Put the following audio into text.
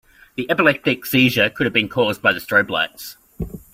The epileptic seizure could have been cause by the strobe lights.